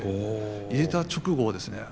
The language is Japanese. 入れた直後はですね